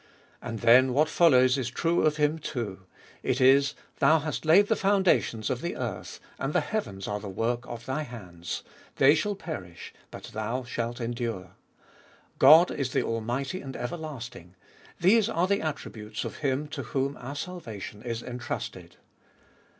And then what follows is true of Him too. It is :" Thou hast laid the foundations of the earth, and the heavens are the work of Thy hands : they shall perish, but Thou shalt endure." God is the Almighty and everlasting : these are the attributes of Him to whom our salvation is entrusted.